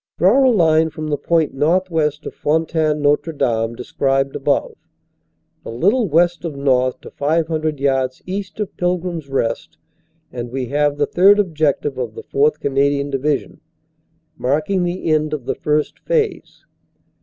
Draw a line from the point northwest of Fontaine Notre Dame described above, a little west of north to 500 yards east of Pilgrim s Rest, and we have the Third Objective of the 4th. Canadian Division, marking the end of the First Phase.